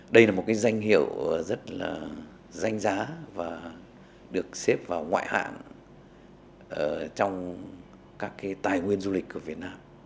đây là một cái danh hiệu rất là danh giá và được xếp vào ngoại hạng trong các cái tài nguyên du lịch của việt nam